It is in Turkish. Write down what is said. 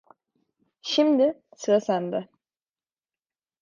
Şimdi sıra sende.